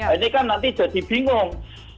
ini kan nanti jadi bingung